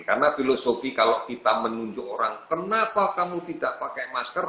karena filosofi kalau kita menunjuk orang kenapa kamu tidak pakai masker